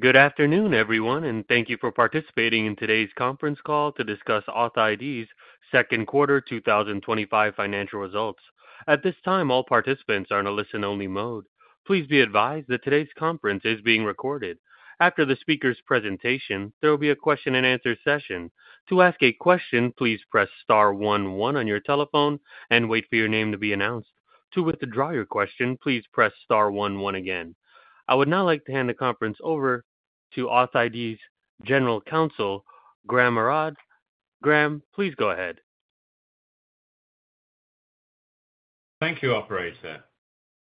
Good afternoon, everyone, and thank you for participating in today's conference call to discuss authID's Second Quarter 2025 Financial Results. At this time, all participants are in a listen-only mode. Please be advised that today's conference is being recorded. After the speaker's presentation, there will be a question and answer session. To ask a question, please press star one one on your telephone and wait for your name to be announced. To withdraw your question, please press star one one again. I would now like to hand the conference over to authID's General Counsel, Graham Arad. Graham, please go ahead. Thank you, Operator.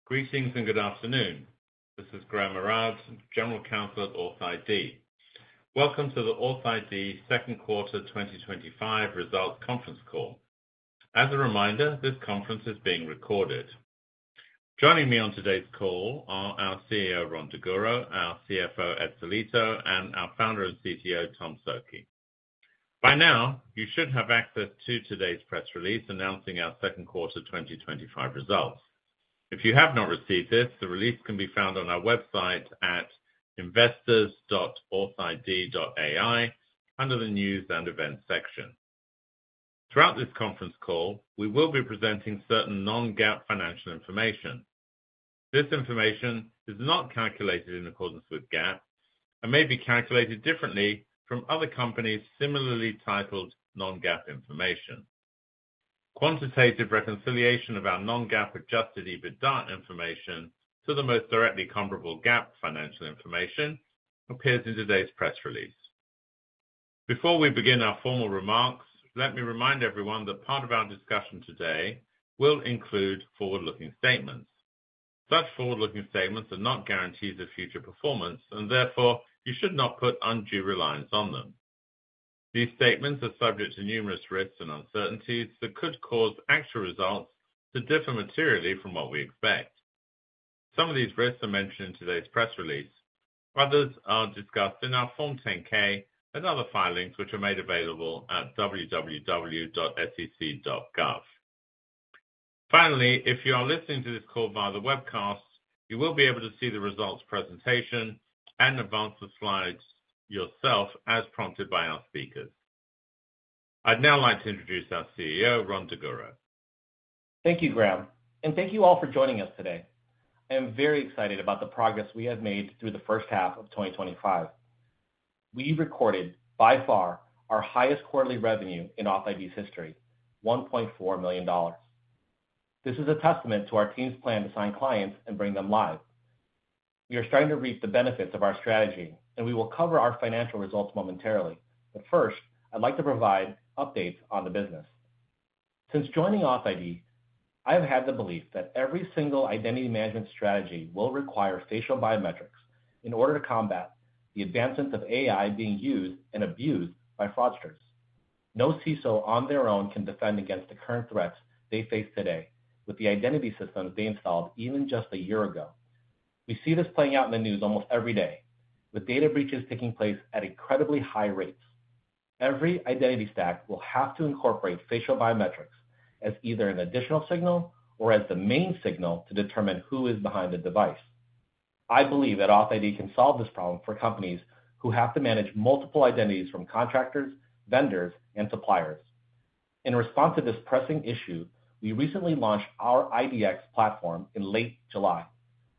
Greetings and good afternoon. This is Graham Arad, General Counsel of authID. Welcome to the authID Second Quarter 2025 Results Conference Call. As a reminder, this conference is being recorded. Joining me on today's call are our CEO, Rhon Daguro, our CFO, Ed Sellitto, and our Founder and CTO, Tom Szoke. By now, you should have access to today's press release announcing our second quarter 2025 results. If you have not received this, the release can be found on our website at investors.authid.ai under the news and events section. Throughout this conference call, we will be presenting certain non-GAAP financial information. This information is not calculated in accordance with GAAP and may be calculated differently from other companies' similarly titled non-GAAP information. Quantitative reconciliation of our non-GAAP adjusted EBITDA information to the most directly comparable GAAP financial information appears in today's press release. Before we begin our formal remarks, let me remind everyone that part of our discussion today will include forward-looking statements. Such forward-looking statements are not guarantees of future performance, and therefore, you should not put undue reliance on them. These statements are subject to numerous risks and uncertainties that could cause actual results to differ materially from what we expect. Some of these risks are mentioned in today's press release, but others are discussed in our Form 10-K and other filings which are made available at www.sec.gov. Finally, if you are listening to this call via the webcast, you will be able to see the results presentation and advance the slides yourself as prompted by our speakers. I'd now like to introduce our CEO, Rhon Daguro. Thank you, Graham, and thank you all for joining us today. I am very excited about the progress we have made through the first half of 2025. We recorded, by far, our highest quarterly revenue in authID's history, $1.4 million. This is a testament to our team's plan to sign clients and bring them live. We are starting to reap the benefits of our strategy, and we will cover our financial results momentarily. First, I'd like to provide updates on the business. Since joining authID, I have had the belief that every single identity management strategy will require facial biometrics in order to combat the advancements of AI being used and abused by fraudsters. No CISO on their own can defend against the current threats they face today with the identity systems they installed even just a year ago. We see this playing out in the news almost every day, with data breaches taking place at incredibly high rates. Every identity stack will have to incorporate facial biometrics as either an additional signal or as the main signal to determine who is behind the device. I believe that authID can solve this problem for companies who have to manage multiple identities from contractors, vendors, and suppliers. In response to this pressing issue, we recently launched our IDX platform in late July.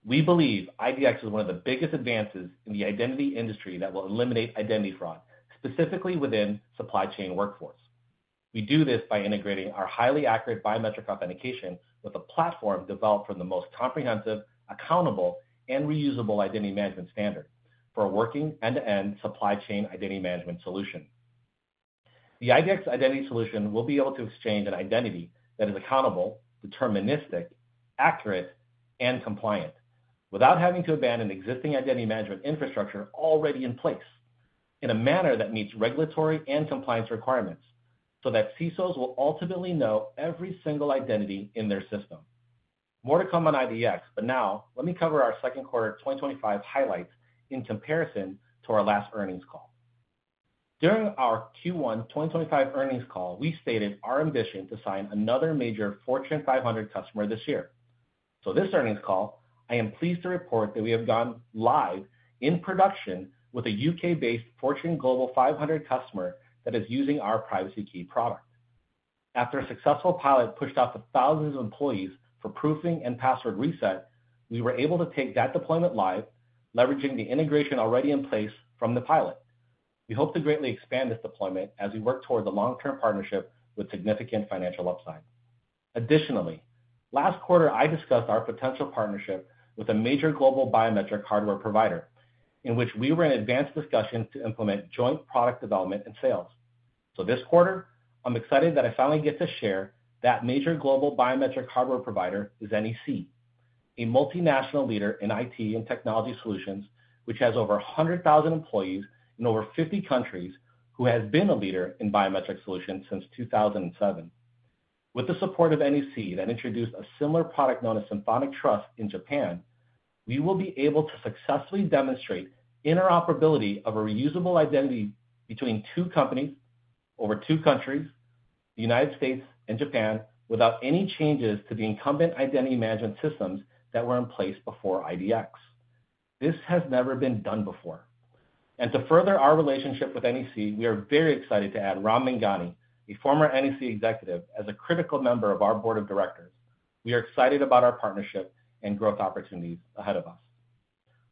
We believe IDX is one of the biggest advances in the identity industry that will eliminate identity fraud, specifically within supply chain workforce. We do this by integrating our highly accurate biometric authentication with a platform developed from the most comprehensive, accountable, and reusable identity management standard for a working end-to-end supply chain identity management solution. The IDX identity solution will be able to exchange an identity that is accountable, deterministic, accurate, and compliant without having to abandon existing identity management infrastructure already in place in a manner that meets regulatory and compliance requirements so that CISOs will ultimately know every single identity in their system. More to come on IDX, but now let me cover our second quarter 2025 highlights in comparison to our last earnings call. During our Q1 2025 earnings call, we stated our ambition to sign another major Fortune 500 customer this year. This earnings call, I am pleased to report that we have gone live in production with a U.K.-based Fortune Global 500 customer that is using our PrivacyKey product. After a successful pilot pushed out to thousands of employees for proofing and password reset, we were able to take that deployment live, leveraging the integration already in place from the pilot. We hope to greatly expand this deployment as we work toward the long-term partnership with significant financial upside. Additionally, last quarter, I discussed our potential partnership with a major global biometric hardware provider in which we were in advanced discussions to implement joint product development and sales. This quarter, I'm excited that I finally get to share that major global biometric hardware provider is NEC, a multinational leader in IT and technology solutions, which has over 100,000 employees in over 50 countries who have been a leader in biometric solutions since 2007. With the support of NEC that introduced a similar product known as [Symphonic Trust] in Japan, we will be able to successfully demonstrate interoperability of a reusable identity between two companies over two countries, the United States and Japan, without any changes to the incumbent identity management systems that were in place before IDX. This has never been done before. To further our relationship with NEC, we are very excited to add Ram Menghani, a former NEC executive, as a critical member of our Board of Directors. We are excited about our partnership and growth opportunities ahead of us.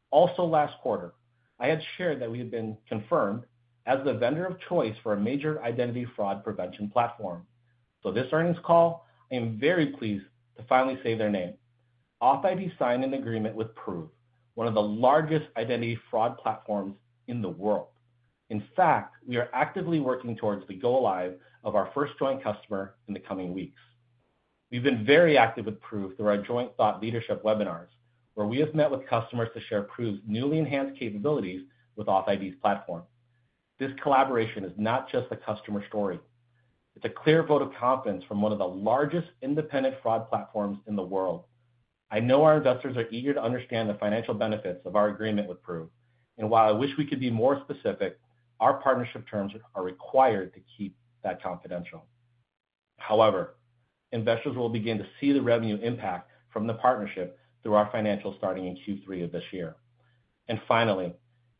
Also, last quarter, I had shared that we had been confirmed as the vendor of choice for a major identity fraud prevention platform. This earnings call, I am very pleased to finally say their name, authID signed an agreement with Proof, one of the largest identity fraud platforms in the world. In fact, we are actively working towards the go-live of our first joint customer in the coming weeks. We've been very active with Proof through our joint thought leadership webinars, where we have met with customers to share Proof's newly enhanced capabilities with authID's platform. This collaboration is not just a customer story. It's a clear vote of confidence from one of the largest independent fraud platforms in the world. I know our investors are eager to understand the financial benefits of our agreement with Proof. While I wish we could be more specific, our partnership terms are required to keep that confidential. However, investors will begin to see the revenue impact from the partnership through our financials starting in Q3 of this year.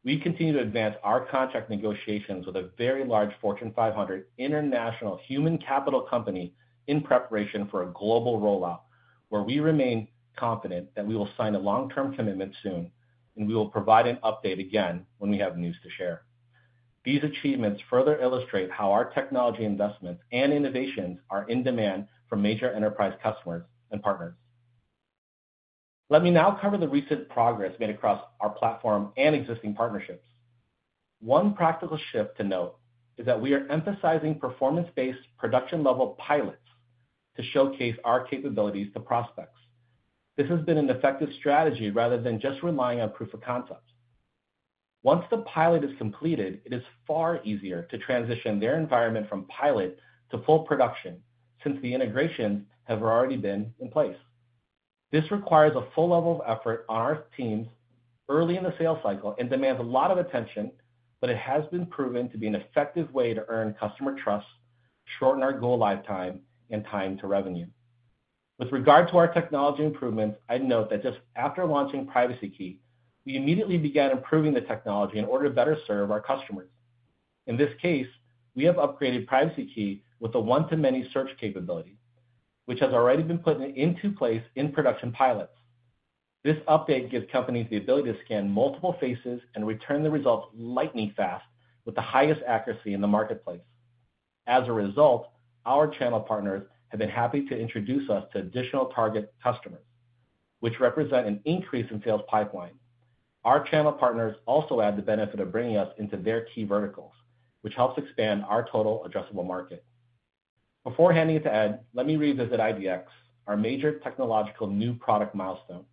We continue to advance our contract negotiations with a very large Fortune 500 international human capital company in preparation for a global rollout, where we remain confident that we will sign a long-term commitment soon, and we will provide an update again when we have news to share. These achievements further illustrate how our technology investments and innovations are in demand from major enterprise customers and partners. Let me now cover the recent progress made across our platform and existing partnerships. One practical shift to note is that we are emphasizing performance-based production-level pilots to showcase our capabilities to prospects. This has been an effective strategy rather than just relying on proof of concept. Once the pilot is completed, it is far easier to transition their environment from pilot to full production since the integrations have already been in place. This requires a full level of effort on our teams early in the sales cycle and demands a lot of attention, but it has been proven to be an effective way to earn customer trust, shorten our go-live time, and time to revenue. With regard to our technology improvements, I note that just after launching PrivacyKey, we immediately began improving the technology in order to better serve our customers. In this case, we have upgraded PrivacyKey with a one-to-many search capability, which has already been put into place in production pilots. This update gives companies the ability to scan multiple faces and return the results lightning fast with the highest accuracy in the marketplace. As a result, our channel partners have been happy to introduce us to additional target customers, which represent an increase in sales pipeline. Our channel partners also add the benefit of bringing us into their key verticals, which helps expand our total addressable market. Before handing it to Ed, let me revisit IDX, our major technological new product milestone.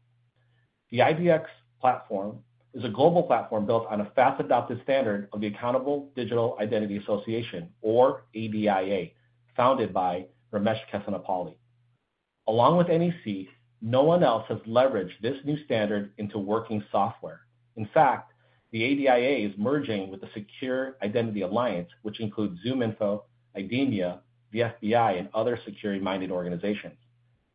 The IDX platform is a global platform built on a fast-adopted standard of the Accountable Digital Identity Association, or ADIA, founded by Ramesh Kesanupalli. Along with NEC, no one else has leveraged this new standard into working software. In fact, the ADIA is merging with the Secure Identity Alliance, which includes ZoomInfo, IDEMIA, the FBI, and other security-minded organizations.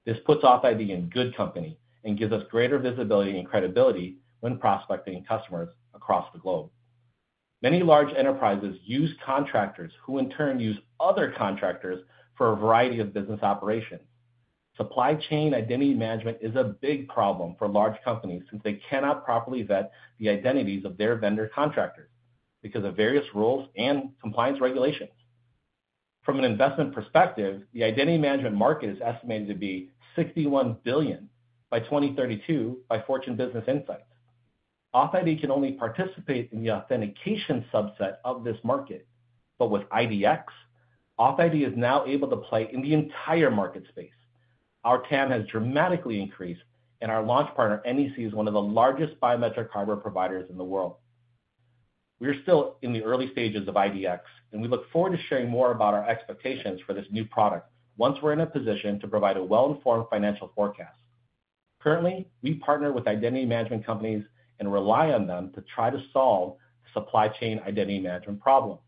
This puts authID in good company and gives us greater visibility and credibility when prospecting customers across the globe. Many large enterprises use contractors who in turn use other contractors for a variety of business operations. Supply chain identity management is a big problem for large companies since they cannot properly vet the identities of their vendor contractors because of various rules and compliance regulations. From an investment perspective, the identity management market is estimated to be $61 billion by 2032 by Fortune Business Insights. authID can only participate in the authentication subset of this market, but with IDX, authID is now able to play in the entire market space. Our CAM has dramatically increased, and our launch partner, NEC, is one of the largest biometric hardware providers in the world. We are still in the early stages of IDX, and we look forward to sharing more about our expectations for this new product once we're in a position to provide a well-informed financial forecast. Currently, we partner with identity management companies and rely on them to try to solve supply chain identity management problems.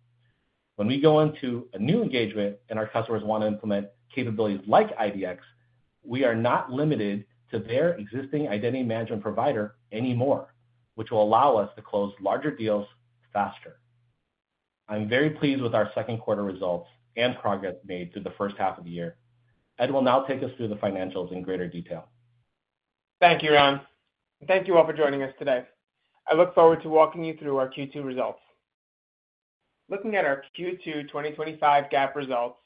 When we go into a new engagement and our customers want to implement capabilities like IDX, we are not limited to their existing identity management provider anymore, which will allow us to close larger deals faster. I'm very pleased with our second quarter results and progress made through the first half of the year. Ed will now take us through the financials in greater detail. Thank you, Rhon. Thank you all for joining us today. I look forward to walking you through our Q2 results. Looking at our Q2 2025 GAAP results,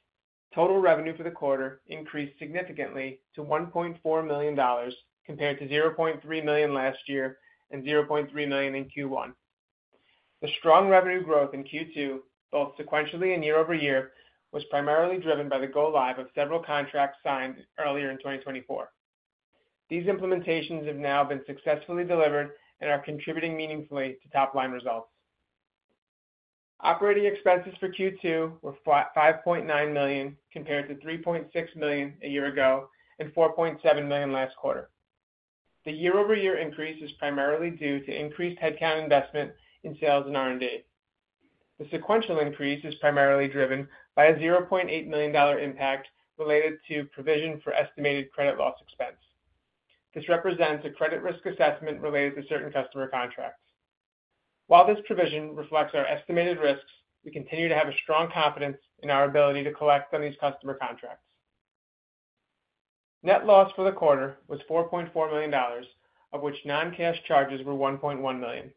total revenue for the quarter increased significantly to $1.4 million compared to $0.3 million last year and $0.3 million in Q1. The strong revenue growth in Q2, both sequentially and year-over-year, was primarily driven by the go-live of several contracts signed earlier in 2024. These implementations have now been successfully delivered and are contributing meaningfully to top-line results. Operating expenses for Q2 were $5.9 million compared to $3.6 million a year ago and $4.7 million last quarter. The year-over-year increase is primarily due to increased headcount investment in sales and R&D. The sequential increase is primarily driven by a $0.8 million impact related to provision for estimated credit loss expense. This represents a credit risk assessment related to certain customer contracts. While this provision reflects our estimated risks, we continue to have a strong confidence in our ability to collect on these customer contracts. Net loss for the quarter was $4.4 million, of which non-cash charges were $1.1 million.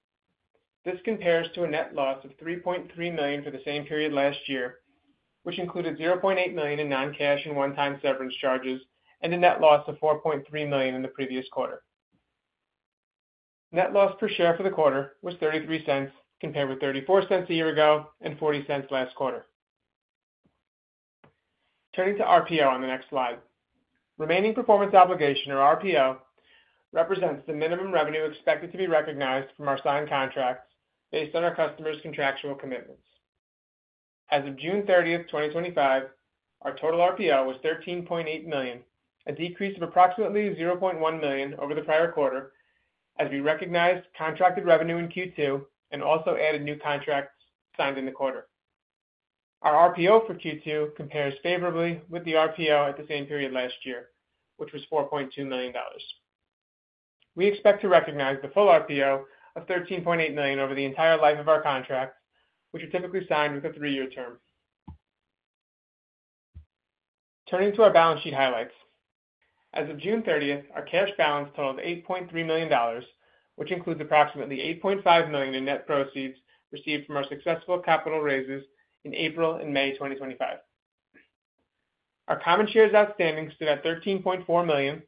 This compares to a net loss of $3.3 million for the same period last year, which included $0.8 million in non-cash and one-time severance charges and a net loss of $4.3 million in the previous quarter. Net loss per share for the quarter was $0.33 compared with $0.34 a year ago and $0.40 last quarter. Turning to RPO on the next slide, remaining performance obligation or RPO represents the minimum revenue expected to be recognized from our signed contracts based on our customers' contractual commitments. As of June 30th, 2025, our total RPO was $13.8 million, a decrease of approximately $0.1 million over the prior quarter as we recognized contracted revenue in Q2 and also added new contracts signed in the quarter. Our RPO for Q2 compares favorably with the RPO at the same period last year, which was $4.2 million. We expect to recognize the full RPO of $13.8 million over the entire life of our contracts, which are typically signed with a three-year term. Turning to our balance sheet highlights, as of June 30th, our cash balance totaled $8.3 million, which includes approximately $8.5 million in net proceeds received from our successful capital raises in April and May 2025. Our common shares outstanding stood at 13.4 million,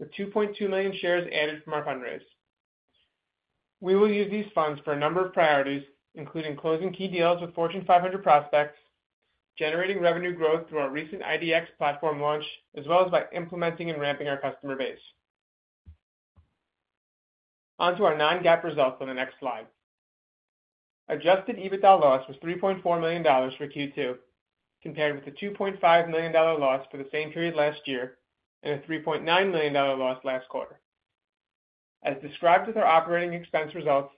with 2.2 million shares added from our fundraise. We will use these funds for a number of priorities, including closing key deals with Fortune 500 prospects, generating revenue growth through our recent IDX platform launch, as well as by implementing and ramping our customer base. Onto our non-GAAP results on the next slide. Adjusted EBITDA loss was $3.4 million for Q2 compared with the $2.5 million loss for the same period last year and a $3.9 million loss last quarter. As described with our operating expense results,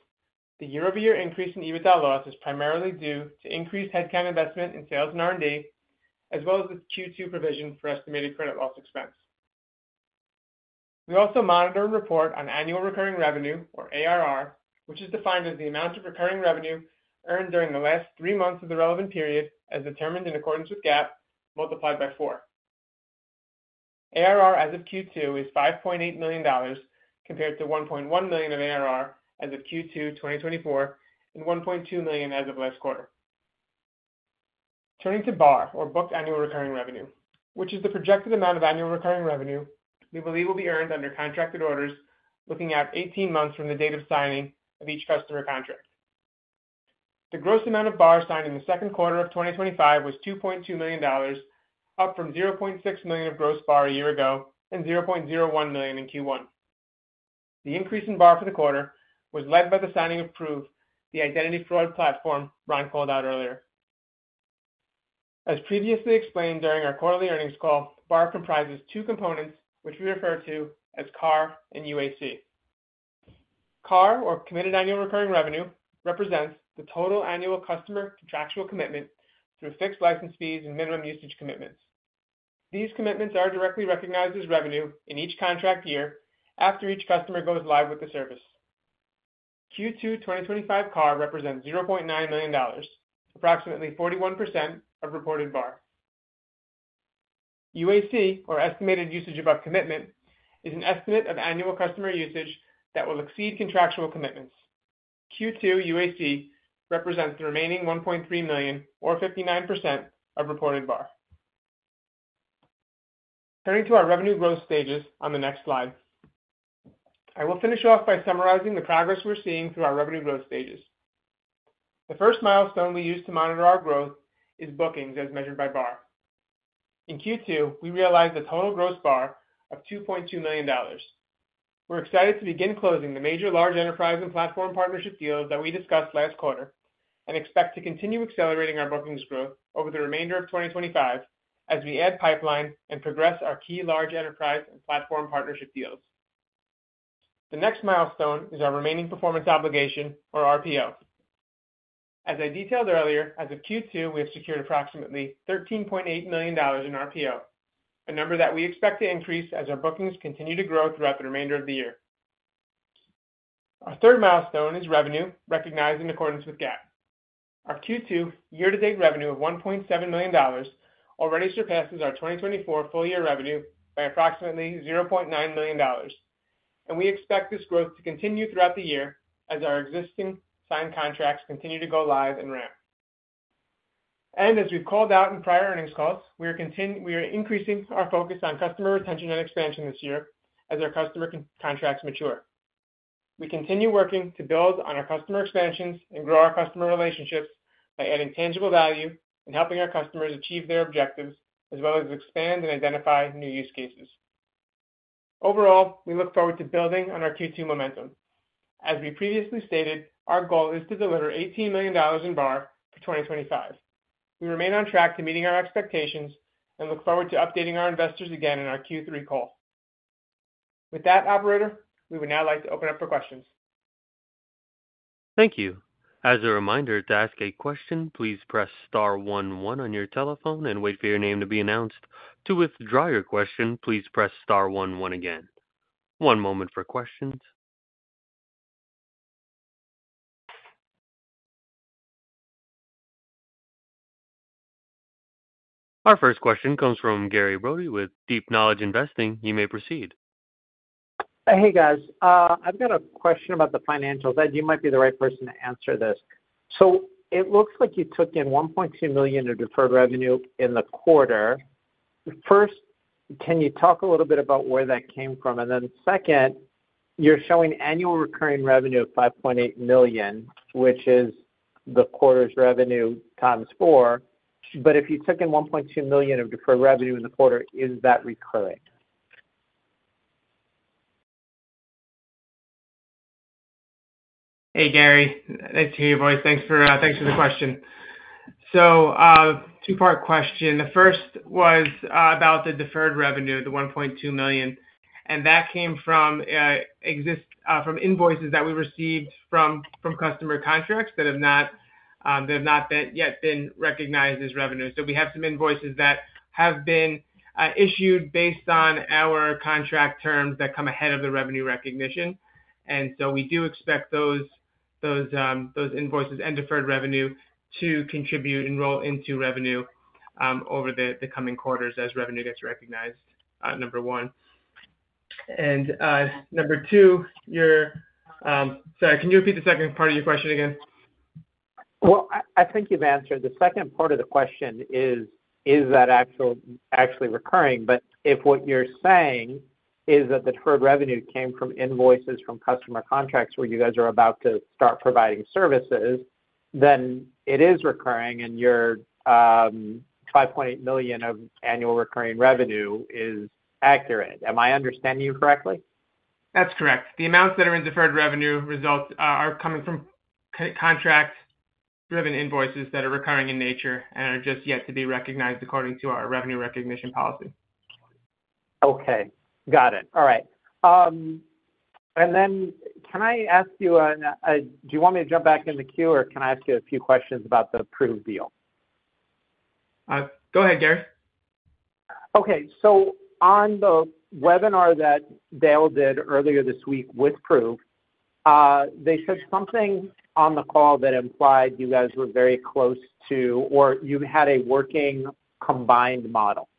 the year-over-year increase in EBITDA loss is primarily due to increased headcount investment in sales and R&D, as well as the Q2 provision for estimated credit loss expense. We also monitor and report on annual recurring revenue, or ARR, which is defined as the amount of recurring revenue earned during the last three months of the relevant period, as determined in accordance with GAAP multiplied by four. ARR as of Q2 is $5.8 million compared to $1.1 million of ARR as of Q2 2024 and $1.2 million as of last quarter. Turning to BARR, or Booked Annual Recurring Revenue, which is the projected amount of annual recurring revenue we believe will be earned under contracted orders, looking out 18 months from the date of signing of each customer contract. The gross amount of BARR signed in the second quarter of 2025 was $2.2 million, up from $0.6 million of gross BARR a year ago and $0.01 million in Q1. The increase in BARR for the quarter was led by the signing of Proof, the identity fraud platform Rhon called out earlier. As previously explained during our quarterly earnings call, BARR comprises two components, which we refer to as CARR and EUAC. CARR, or Committed Annual Recurring Revenue, represents the total annual customer contractual commitment through fixed license fees and minimum usage commitments. These commitments are directly recognized as revenue in each contract year after each customer goes live with the service. Q2 2025 CARR represents $0.9 million, approximately 41% of reported BARR. EUAC, or Estimated Usage Above Commitment, is an estimate of annual customer usage that will exceed contractual commitments. Q2 EUAC represents the remaining $1.3 million, or 59% of reported BARR. Turning to our revenue growth stages on the next slide, I will finish off by summarizing the progress we're seeing through our revenue growth stages. The first milestone we use to monitor our growth is bookings, as measured by BARR. In Q2, we realized a total gross BARR of $2.2 million. We're excited to begin closing the major large enterprise and platform partnership deals that we discussed last quarter and expect to continue accelerating our bookings growth over the remainder of 2025 as we add pipeline and progress our key large enterprise and platform partnership deals. The next milestone is our remaining performance obligation, or RPO. As I detailed earlier, as of Q2, we have secured approximately $13.8 million in RPO, a number that we expect to increase as our bookings continue to grow throughout the remainder of the year. Our third milestone is revenue recognized in accordance with GAAP. Our Q2 year-to-date revenue of $1.7 million already surpasses our 2024 full-year revenue by approximately $0.9 million. We expect this growth to continue throughout the year as our existing signed contracts continue to go live and ramp. As we've called out in prior earnings calls, we are increasing our focus on customer retention and expansion this year as our customer contracts mature. We continue working to build on our customer expansions and grow our customer relationships by adding tangible value and helping our customers achieve their objectives, as well as expand and identify new use cases. Overall, we look forward to building on our Q2 momentum. As we previously stated, our goal is to deliver $18 million in BARR for 2025. We remain on track to meeting our expectations and look forward to updating our investors again in our Q3 call. With that, Operator, we would now like to open up for questions. Thank you. As a reminder, to ask a question, please press star one one on your telephone and wait for your name to be announced. To withdraw your question, please press star one one again. One moment for questions. Our first question comes from Gary Brode with Deep Knowledge Investing. You may proceed. Hey, guys. I've got a question about the financials. Ed, you might be the right person to answer this. It looks like you took in $1.2 million in deferred revenue in the quarter. First, can you talk a little bit about where that came from? You're showing annual recurring revenue of $5.8 million, which is the quarter's revenue times four. If you took in $1.2 million of deferred revenue in the quarter, is that recurring? Hey, Gary. Nice to hear your voice. Thanks for the question. A two-part question. The first was about the deferred revenue, the $1.2 million. That came from invoices that we received from customer contracts that have not yet been recognized as revenue. We have some invoices that have been issued based on our contract terms that come ahead of the revenue recognition. We do expect those invoices and deferred revenue to contribute and roll into revenue over the coming quarters as revenue gets recognized, number one. Number two, you're sorry, can you repeat the second part of your question again? I think you've answered. The second part of the question is, is that actually recurring? If what you're saying is that the deferred revenue came from invoices from customer contracts where you guys are about to start providing services, then it is recurring and your $5.8 million of annual recurring revenue is accurate. Am I understanding you correctly? That's correct. The amounts that are in deferred revenue results are coming from contract-driven invoices that are recurring in nature and are just yet to be recognized according to our revenue recognition policy. Okay. Got it. All right. Can I ask you, do you want me to jump back in the queue or can I ask you a few questions about the Proof deal? Go ahead, Gary. Okay. On the webinar that [Dale] did earlier this week with Proof, they said something on the call that implied you guys were very close to, or you had a working combined model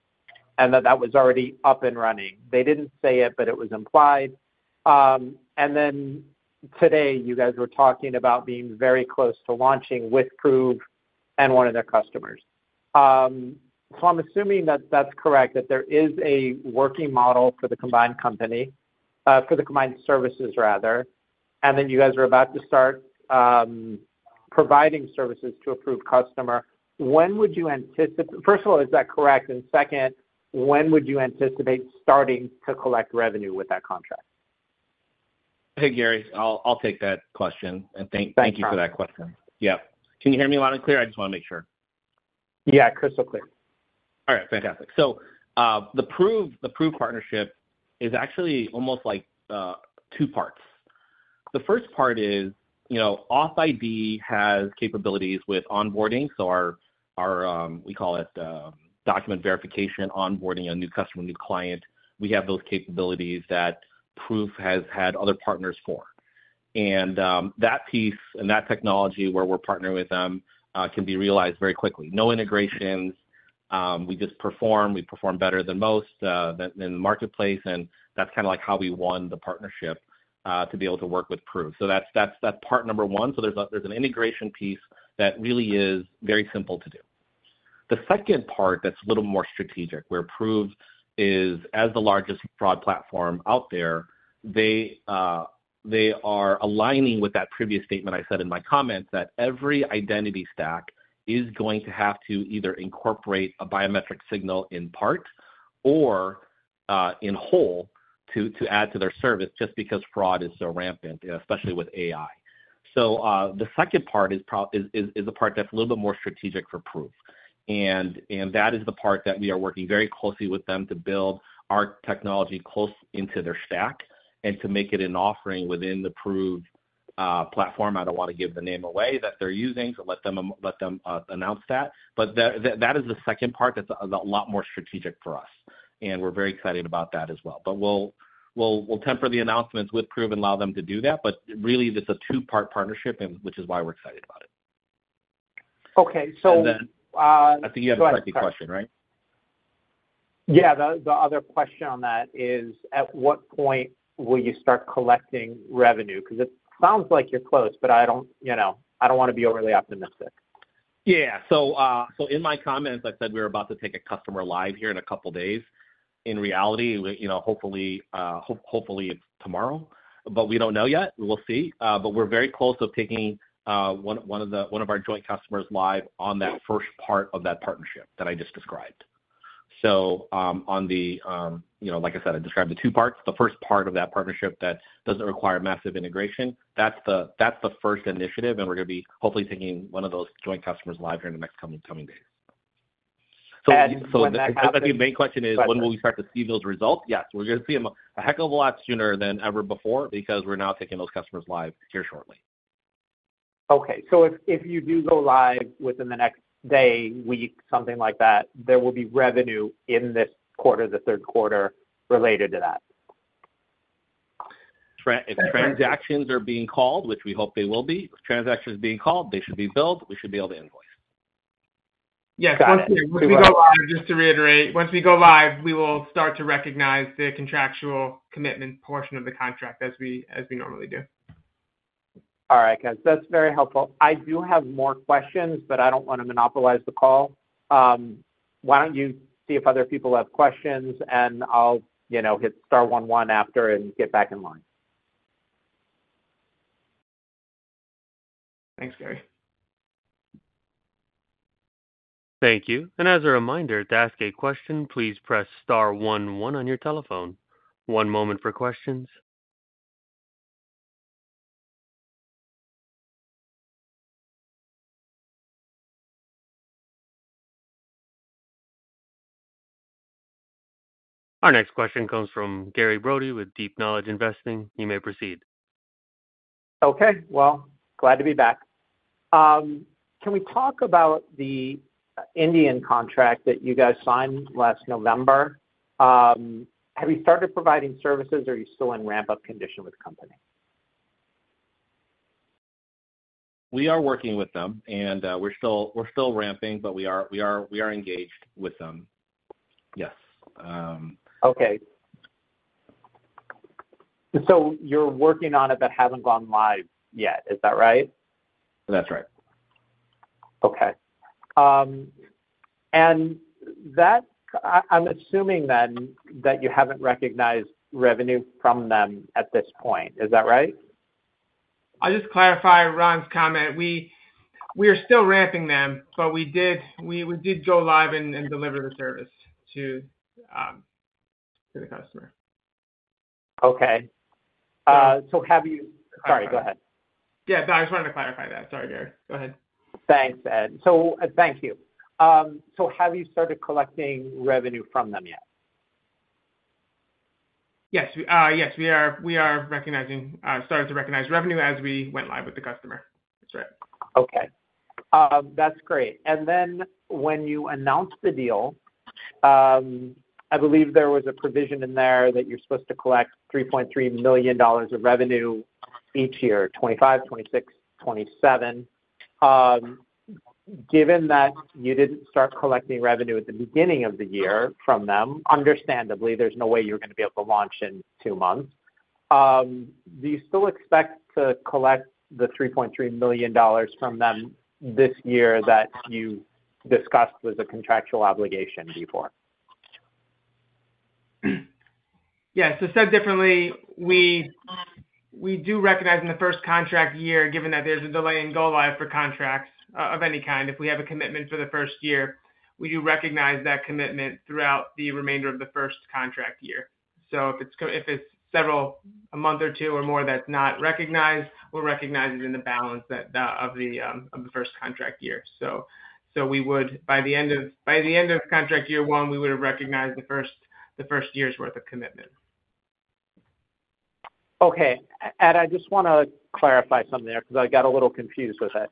and that that was already up and running. They didn't say it, but it was implied. Today, you guys were talking about being very close to launching with Proof and one of their customers. I'm assuming that that's correct, that there is a working model for the combined company, for the combined services, rather, and you guys are about to start providing services to a Proof customer. When would you anticipate, first of all, is that correct? Second, when would you anticipate starting to collect revenue with that contract? Hey, Gary. I'll take that question. Thank you for that question. Can you hear me loud and clear? I just want to make sure. Yeah, crystal clear. All right. Fantastic. The Proof partnership is actually almost like two parts. The first part is, you know, authID has capabilities with onboarding. We call it document verification, onboarding a new customer, new client. We have those capabilities that Proof has had other partners for. That piece and that technology where we're partnering with them can be realized very quickly. No integrations. We just perform. We perform better than most in the marketplace. That's kind of like how we won the partnership to be able to work with Proof. That's part number one. There's an integration piece that really is very simple to do. The second part that's a little more strategic, where Proof is, as the largest fraud platform out there, they are aligning with that previous statement I said in my comment that every identity stack is going to have to either incorporate a biometric signal in part or in whole to add to their service just because fraud is so rampant, especially with AI. The second part is a part that's a little bit more strategic for Proof. That is the part that we are working very closely with them to build our technology close into their stack and to make it an offering within the Proof platform. I don't want to give the name away that they're using, so let them announce that. That is the second part that's a lot more strategic for us. We're very excited about that as well. We'll temper the announcements with Proof and allow them to do that. Really, it's a two-part partnership, which is why we're excited about it. Okay. I think you had a second question, right? Yeah, the other question on that is, at what point will you start collecting revenue? Because it sounds like you're close, but I don't want to be overly optimistic. Yeah. In my comments, I said we were about to take a customer live here in a couple of days. In reality, hopefully it's tomorrow, but we don't know yet. We'll see. We're very close to taking one of our joint customers live on that first part of that partnership that I just described. Like I said, I described the two parts. The first part of that partnership that doesn't require massive integration, that's the first initiative. We're going to be hopefully taking one of those joint customers live here in the next coming days. The main question is, when will we start to see those results? Yes, we're going to see them a heck of a lot sooner than ever before because we're now taking those customers live here shortly. Okay. If you do go live within the next day, week, something like that, there will be revenue in this quarter, the third quarter related to that. If transactions are being called, which we hope they will be, transactions being called, they should be billed. We should be able to invoice. Yes. Once we go live, just to reiterate, once we go live, we will start to recognize the contractual commitment portion of the contract as we normally do. All right, guys. That's very helpful. I do have more questions, but I don't want to monopolize the call. Why don't you see if other people have questions, and I'll hit star one one after and get back in line. Thanks, Gary. Thank you. As a reminder, to ask a question, please press star one one on your telephone. One moment for questions. Our next question comes from Gary Brode with Deep Knowledge Investing. You may proceed. Okay. Glad to be back. Can we talk about the India contract that you guys signed last November? Have you started providing services, or are you still in ramp-up condition with the company? We are working with them, and we're still ramping, but we are engaged with them. Yes. Okay. You're working on it, but haven't gone live yet. Is that right? That's right. Okay. I'm assuming then that you haven't recognized revenue from them at this point. Is that right? I'll just clarify Rhon's comment. We are still ramping them, but we did go live and deliver the service to the customer. Okay. Have you— Sorry, go ahead. Yeah, no, I just wanted to clarify that. Sorry, Gary. Go ahead. Thanks, Ed. Thank you. Have you started collecting revenue from them yet? Yes, we are starting to recognize revenue as we went live with the customer. That's right. Okay. That's great. When you announced the deal, I believe there was a provision in there that you're supposed to collect $3.3 million of revenue each year, 2025, 2026, 2027. Given that you didn't start collecting revenue at the beginning of the year from them, understandably, there's no way you're going to be able to launch in two months. Do you still expect to collect the $3.3 million from them this year that you discussed was a contractual obligation before? Yeah. Said differently, we do recognize in the first contract year, given that there's a delay in go-live for contracts of any kind, if we have a commitment for the first year, we do recognize that commitment throughout the remainder of the first contract year. If it's several a month or two or more that's not recognized, we'll recognize it in the balance of the first contract year. By the end of contract year one, we would have recognized the first year's worth of commitment. Okay. I just want to clarify something there because I got a little confused with it.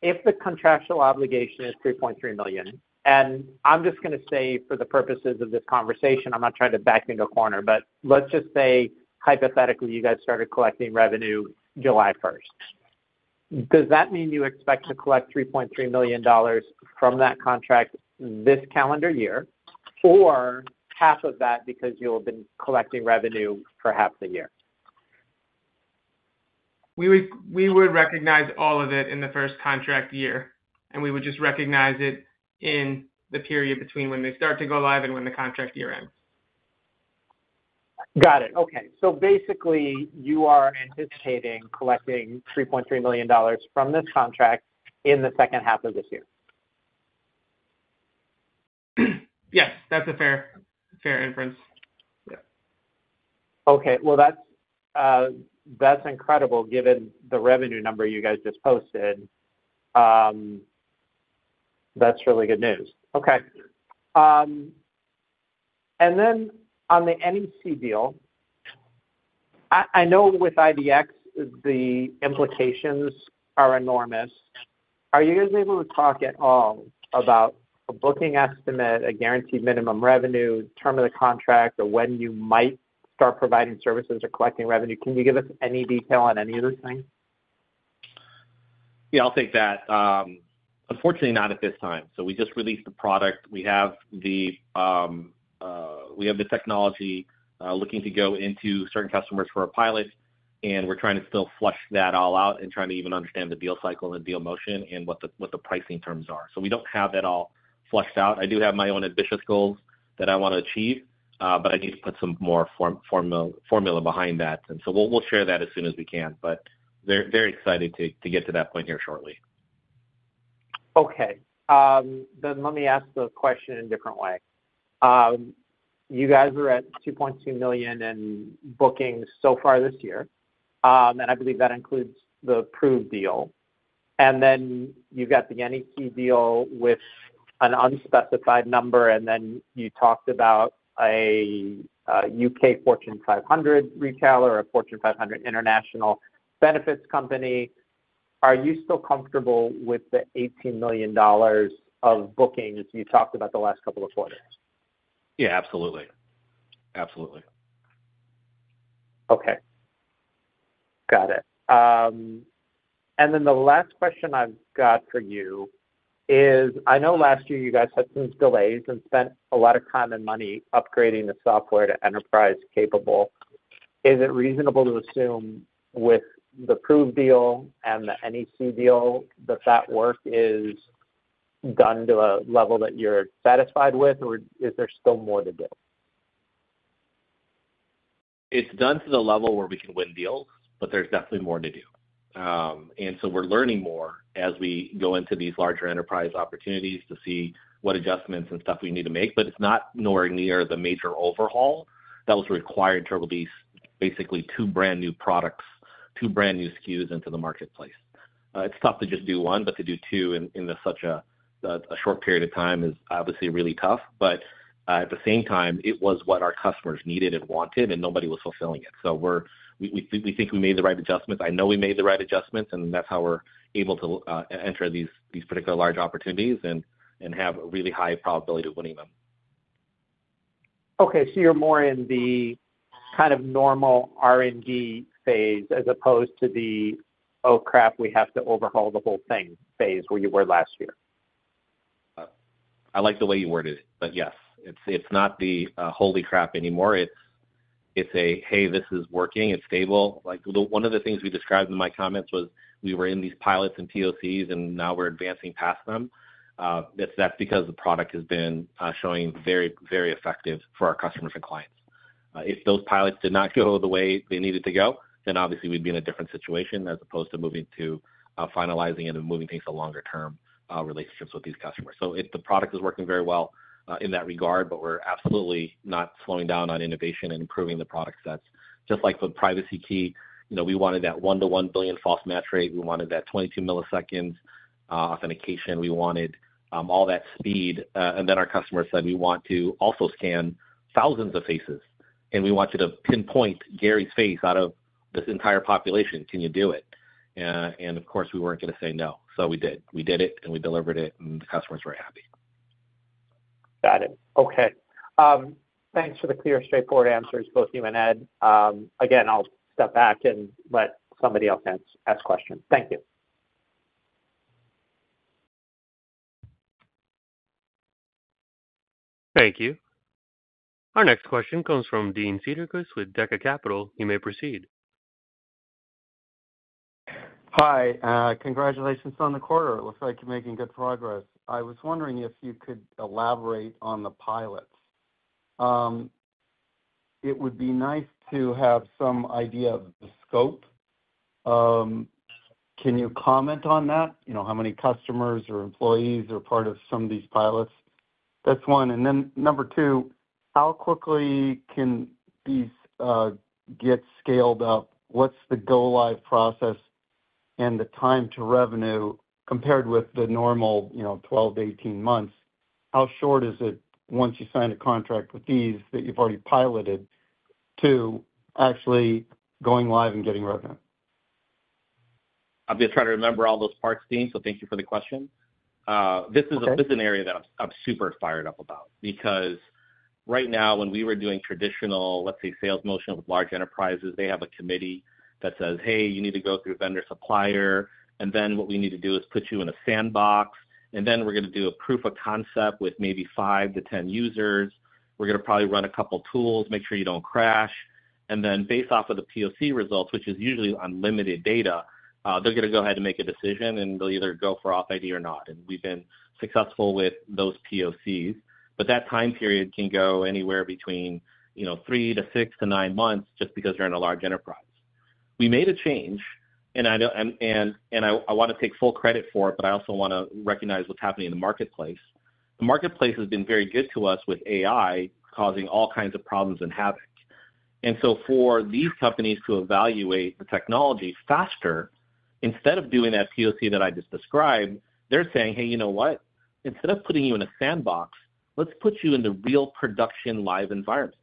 If the contractual obligation is $3.3 million, and I'm just going to say for the purposes of this conversation, I'm not trying to back into a corner, but let's just say hypothetically you guys started collecting revenue July 1st. Does that mean you expect to collect $3.3 million from that contract this calendar year or half of that because you'll have been collecting revenue for half the year? We would recognize all of it in the first contract year, and we would just recognize it in the period between when they start to go live and when the contract year ends. Got it. Okay. You are anticipating collecting $3.3 million from this contract in the second half of this year. Yes, that's a fair inference. Okay, that's incredible given the revenue number you guys just posted. That's really good news. On the NEC deal, I know with IDX, the implications are enormous. Are you guys able to talk at all about a booking estimate, a guaranteed minimum revenue, term of the contract, or when you might start providing services or collecting revenue? Can you give us any detail on any of those things? Yeah, I'll take that. Unfortunately, not at this time. We just released the product. We have the technology looking to go into certain customers for a pilot, and we're trying to still flush that all out and trying to even understand the deal cycle and deal motion and what the pricing terms are. We don't have that all flushed out. I do have my own ambitious goals that I want to achieve, but I need to put some more formula behind that. We'll share that as soon as we can. They're excited to get to that point here shortly. Okay. Let me ask a question in a different way. You guys are at $2.2 million in bookings so far this year, and I believe that includes the Proof deal. You've got the [NEC] deal with an unspecified number, and you talked about a U.K. Fortune 500 retailer, a Fortune 500 international benefits company. Are you still comfortable with the $18 million of bookings you talked about the last couple of quarters? Absolutely. Absolutely. Okay. Got it. The last question I've got for you is, I know last year you guys had some delays and spent a lot of time and money upgrading the software to enterprise-capable. Is it reasonable to assume with the Proof deal and the NEC deal that that work is done to a level that you're satisfied with, or is there still more to do? It's done to the level where we can win deals, but there's definitely more to do. We're learning more as we go into these larger enterprise opportunities to see what adjustments and stuff we need to make. It's not anywhere near the major overhaul that was required to release basically two brand new products, two brand new SKUs into the marketplace. It's tough to just do one, but to do two in such a short period of time is obviously really tough. At the same time, it was what our customers needed and wanted, and nobody was fulfilling it. We think we made the right adjustments. I know we made the right adjustments, and that's how we're able to enter these particular large opportunities and have a really high probability of winning them. Okay. You're more in the kind of normal R&D phase as opposed to the, "Oh, crap, we have to overhaul the whole thing," phase where you were last year? I like the way you worded it. Yes, it's not the "holy crap" anymore. It's a, "Hey, this is working. It's stable." One of the things we described in my comments was we were in these pilots and POCs, and now we're advancing past them. That's because the product has been showing very, very effective for our customers and clients. If those pilots did not go the way they needed to go, then obviously we'd be in a different situation as opposed to moving to finalizing and moving things to longer-term relationships with these customers. The product is working very well in that regard, but we're absolutely not slowing down on innovation and improving the product sets. Just like for PrivacyKey, you know we wanted that one-to-one billion false match rate. We wanted that 22 ms authentication. We wanted all that speed. Our customer said, "We want to also scan thousands of faces, and we want you to pinpoint Gary's face out of this entire population. Can you do it?" Of course, we weren't going to say no. We did. We did it, and we delivered it, and the customer's very happy. Got it. Okay. Thanks for the clear, straightforward answers, both you and Ed. I'll step back and let somebody else ask questions. Thank you. Thank you. Our next question comes from Dean Cederquist with DECCA Capital. You may proceed. Hi. Congratulations on the quarter. It looks like you're making good progress. I was wondering if you could elaborate on the pilots. It would be nice to have some idea of the scope. Can you comment on that? You know how many customers or employees are part of some of these pilots? That's one. Number two, how quickly can these get scaled up? What's the go-live process and the time to revenue compared with the normal, you know, 12-18 months? How short is it once you sign a contract with these that you've already piloted to actually going live and getting revenue? I'm just trying to remember all those parts, Dean, so thank you for the question. This is an area that I'm super fired up about because right now, when we were doing traditional, let's say, sales motion with large enterprises, they have a committee that says, "Hey, you need to go through vendor-supplier." What we need to do is put you in a sandbox. Then we're going to do a proof of concept with maybe 5-10 users. We're going to probably run a couple of tools, make sure you don't crash. Based off of the POC results, which is usually unlimited data, they're going to go ahead and make a decision, and they'll either go for authID or not. We've been successful with those POCs. That time period can go anywhere between, you know, three to six to nine months just because you're in a large enterprise. We made a change, and I want to take full credit for it, but I also want to recognize what's happening in the marketplace. The marketplace has been very good to us with AI causing all kinds of problems and havoc. For these companies to evaluate the technology faster, instead of doing that POC that I just described, they're saying, "Hey, you know what? Instead of putting you in a sandbox, let's put you in the real production live environment.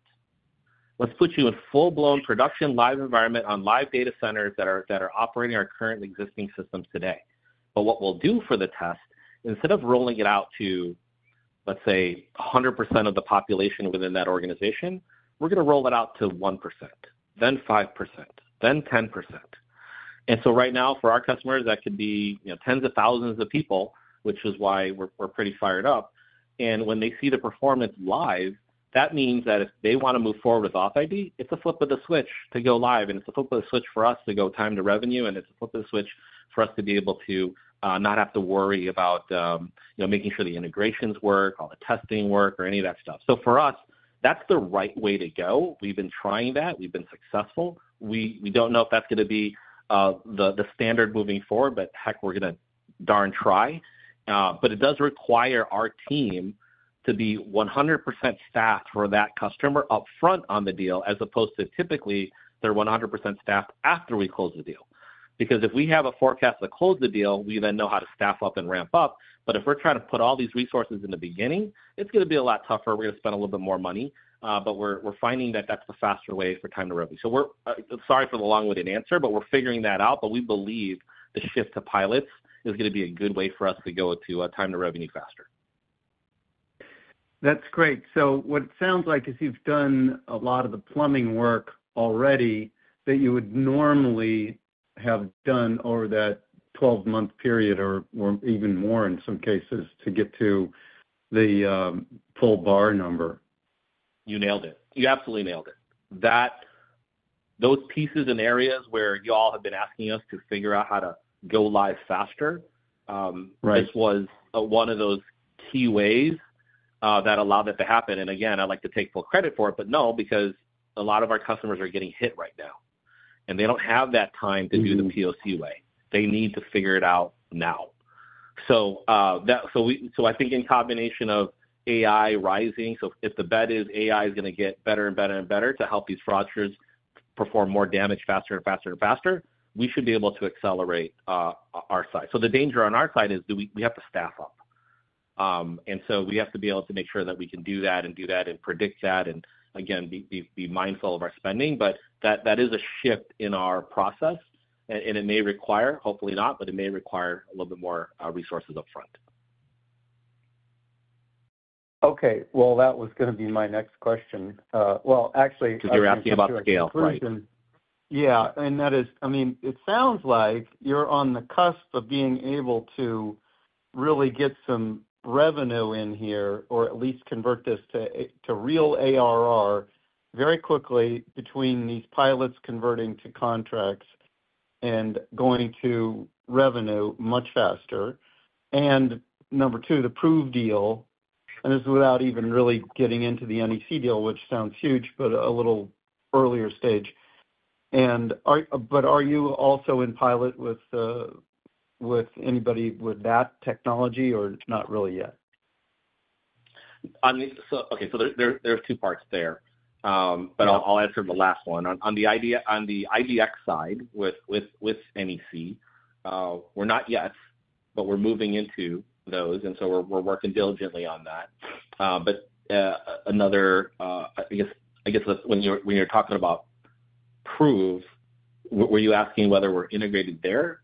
Let's put you in a full-blown production live environment on live data centers that are operating our current existing systems today. What we'll do for the test, instead of rolling it out to, let's say, 100% of the population within that organization, we're going to roll it out to 1%, then 5%, then 10%." Right now, for our customers, that could be tens of thousands of people, which is why we're pretty fired up. When they see the performance live, that means that if they want to move forward with authID, it's a flip of the switch to go live. It's a flip of the switch for us to go time to revenue. It's a flip of the switch for us to be able to not have to worry about, you know, making sure the integrations work, all the testing work, or any of that stuff. For us, that's the right way to go. We've been trying that. We've been successful. We don't know if that's going to be the standard moving forward, but heck, we're going to darn try. It does require our team to be 100% staffed for that customer upfront on the deal, as opposed to typically they're 100% staffed after we close the deal. If we have a forecast to close the deal, we then know how to staff up and ramp up. If we're trying to put all these resources in the beginning, it's going to be a lot tougher. We're going to spend a little bit more money. We're finding that that's the faster way for time to revenue. We're sorry for the long-winded answer, but we're figuring that out. We believe the shift to pilots is going to be a good way for us to go to a time to revenue faster. That's great. It sounds like you've done a lot of the plumbing work already that you would normally have done over that 12-month period or even more in some cases to get to the full BARR number. You nailed it. You absolutely nailed it. Those pieces and areas where you all have been asking us to figure out how to go live faster, this was one of those key ways that allowed that to happen. I like to take full credit for it, but no, because a lot of our customers are getting hit right now. They don't have that time to do the POC way. They need to figure it out now. I think in combination of AI rising, if the bet is AI is going to get better and better and better to help these fraudsters perform more damage faster and faster and faster, we should be able to accelerate our side. The danger on our side is that we have to staff up. We have to be able to make sure that we can do that and do that and predict that and, again, be mindful of our spending. That is a shift in our process. It may require, hopefully not, but it may require a little bit more resources upfront. Okay, that was going to be my next question. Actually. Because you're asking about scale, right? It sounds like you're on the cusp of being able to really get some revenue in here, or at least convert this to real ARR very quickly between these pilots converting to contracts and going to revenue much faster. Number two, the Proof deal, and this is without even really getting into the NEC deal, which sounds huge, but a little earlier stage. Are you also in pilot with anybody with that technology, or not really yet? Okay. There's two parts there, but I'll answer the last one. On the IDX side with NEC, we're not yet, but we're moving into those, and we're working diligently on that. When you're talking about Proof, were you asking whether we're integrated there?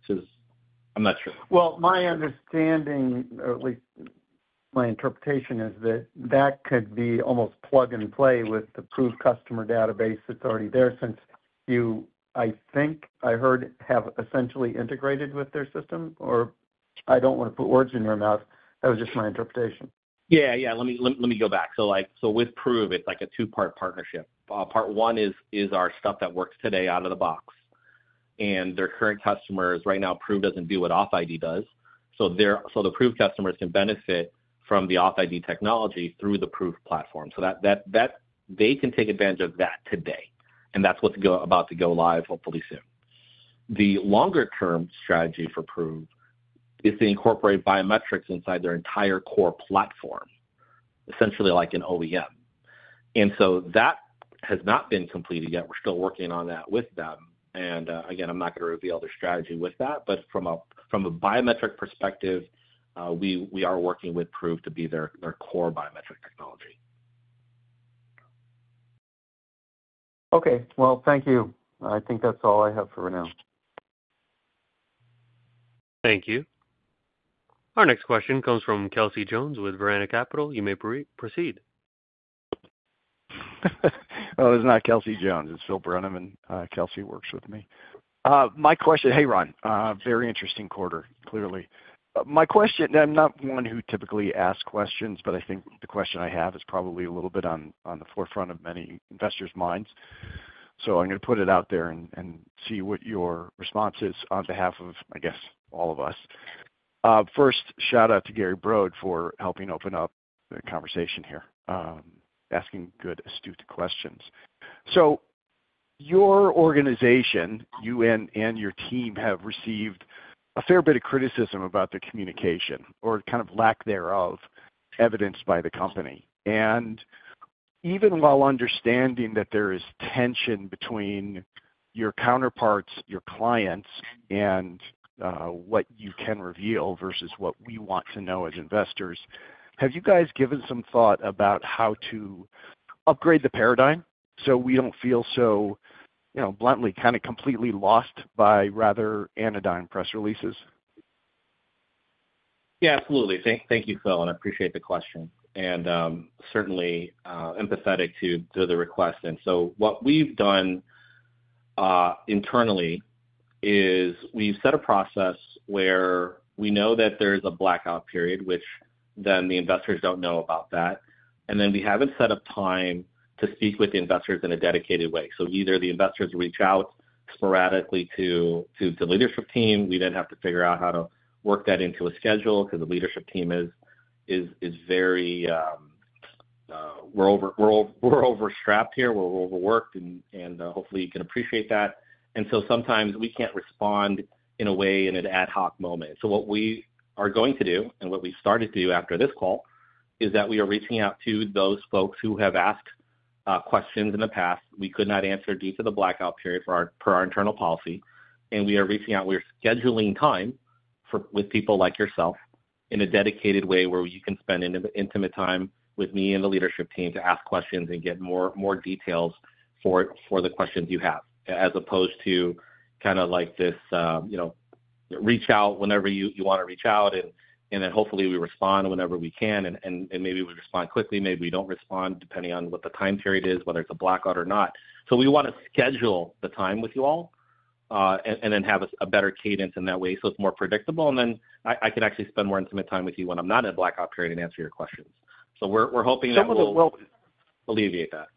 I'm not sure. My understanding, or at least my interpretation, is that that could be almost plug and play with the Proof customer database that's already there since you, I think I heard, have essentially integrated with their system. I don't want to put words in your mouth. That was just my interpretation. Let me go back. With Proof, it's like a two-part partnership. Part one is our stuff that works today out of the box, and their current customers right now. Proof doesn't do what authID does, so the Proof customers can benefit from the authID technology through the Proof platform so that they can take advantage of that today. That's what's about to go live, hopefully, soon. The longer-term strategy for Proof is to incorporate biometrics inside their entire core platform, essentially like an OEM. That has not been completed yet. We're still working on that with them. Again, I'm not going to reveal their strategy with that. From a biometric perspective, we are working with Proof to be their core biometric technology. Thank you. I think that's all I have for now. Thank you. Our next question comes from Kelci Jones with Varana Capital. You may proceed. Oh, it's not Kelci Jones. It's Phil Broenniman. Kelci works with me. My question, hey, Rhon, very interesting quarter, clearly. My question, I'm not one who typically asks questions, but I think the question I have is probably a little bit on the forefront of many investors' minds. I'm going to put it out there and see what your response is on behalf of, I guess, all of us. First, shout out to Gary Brode for helping open up the conversation here, asking good, astute questions. Your organization, you and your team have received a fair bit of criticism about their communication or kind of lack thereof evidenced by the company. Even while understanding that there is tension between your counterparts, your clients, and what you can reveal versus what we want to know as investors, have you guys given some thought about how to upgrade the paradigm so we don't feel so, you know, bluntly, kind of completely lost by rather anodyne press releases? Yeah, absolutely. Thank you, Phil. I appreciate the question and certainly empathetic to the request. What we've done internally is we've set a process where we know that there's a blackout period, which the investors don't know about. We haven't set up time to speak with the investors in a dedicated way. Either the investors reach out sporadically to the leadership team, and we then have to figure out how to work that into a schedule because the leadership team is very, we're overstrapped here. We're overworked, and hopefully, you can appreciate that. Sometimes we can't respond in an ad hoc moment. What we are going to do and what we've started to do after this call is that we are reaching out to those folks who have asked questions in the past we could not answer due to the blackout period for our internal policy. We are reaching out and scheduling time with people like yourself in a dedicated way where you can spend intimate time with me and the leadership team to ask questions and get more details for the questions you have, as opposed to kind of like this, you know, reach out whenever you want to reach out. Hopefully, we respond whenever we can. Maybe we respond quickly, maybe we don't respond depending on what the time period is, whether it's a blackout or not. We want to schedule the time with you all and then have a better cadence in that way so it's more predictable. I can actually spend more intimate time with you when I'm not in a blackout period and answer your questions. We're hoping that we'll alleviate that.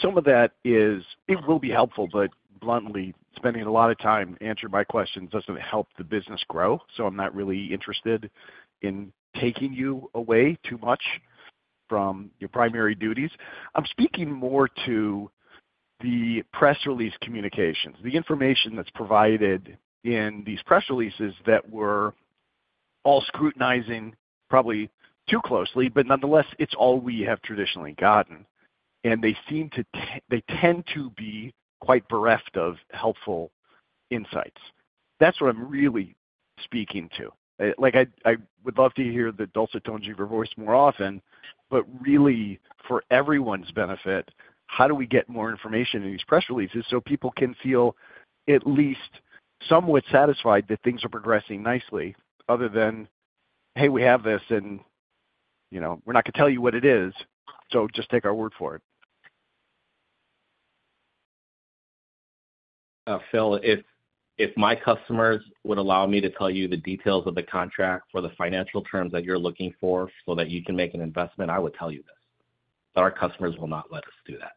Some of that is it will be helpful, but bluntly, spending a lot of time answering my questions doesn't help the business grow. I'm not really interested in taking you away too much from your primary duties. I'm speaking more to the press release communications, the information that's provided in these press releases that we're all scrutinizing probably too closely, but nonetheless, it's all we have traditionally gotten. They tend to be quite bereft of helpful insights. That's what I'm really speaking to. I would love to hear the dulcet tones of your voice more often, but really, for everyone's benefit, how do we get more information in these press releases so people can feel at least somewhat satisfied that things are progressing nicely other than, "Hey, we have this, and you know we're not going to tell you what it is, so just take our word for it. Phil, if my customers would allow me to tell you the details of the contract for the financial terms that you're looking for so that you can make an investment, I would tell you that. Our customers will not let us do that.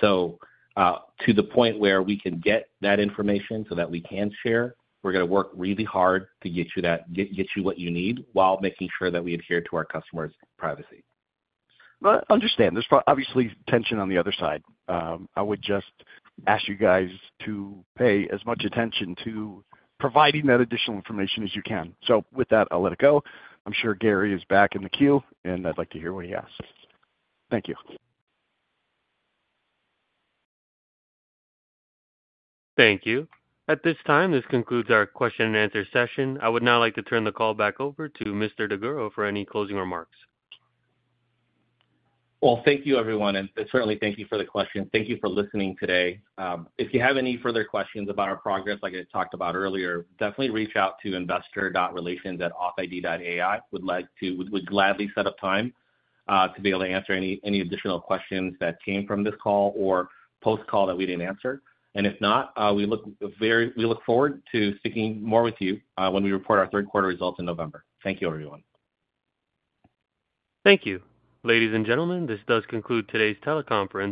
To the point where we can get that information so that we can share, we're going to work really hard to get you that, get you what you need while making sure that we adhere to our customers' privacy. I understand. There's obviously tension on the other side. I would just ask you guys to pay as much attention to providing that additional information as you can. With that, I'll let it go. I'm sure Gary is back in the queue, and I'd like to hear what he asks. Thank you. Thank you. At this time, this concludes our question and answer session. I would now like to turn the call back over to Mr. Daguro for any closing remarks. Thank you, everyone. Certainly, thank you for the question. Thank you for listening today. If you have any further questions about our progress, like I talked about earlier, definitely reach out to investor.relations@authid.ai. We'd gladly set up time to be able to answer any additional questions that came from this call or post-call that we didn't answer. If not, we look forward to speaking more with you when we report our third-quarter results in November. Thank you, everyone. Thank you. Ladies and gentlemen, this does conclude today's teleconference.